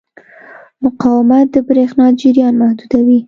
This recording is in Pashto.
مقاومت د برېښنا جریان محدودوي.